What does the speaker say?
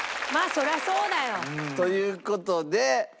そりゃそうだよ。という事で。